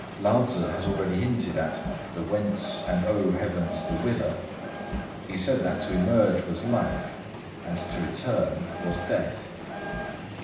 Lao Tzŭ has already hinted at "the Whence, and oh, Heavens, the Whither." He said that to emerge was life, and to return was death.